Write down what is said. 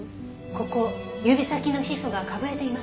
ここ指先の皮膚がかぶれています。